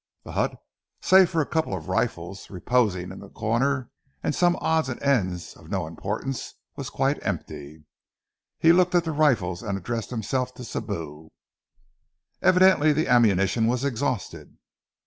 The hut, save for a couple of rifles reposing in the corner, and some odds and ends of no importance, was quite empty. He looked at the rifles and addressed himself to Sibou. "Evidently the ammunition was exhausted."